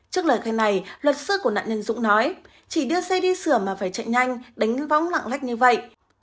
trước lời khen này luật sư của nạn nhân dũng nói chỉ đưa xe đi sửa mà phải chạy nhanh đánh vóng lặng lách như vậy